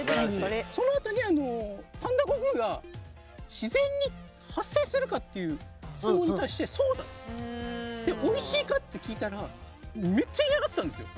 そのあとにパンダ悟空が自然に発生するかっていう質問に対してそうだと。でおいしいかって聞いたらめっちゃ嫌がってたんですよ。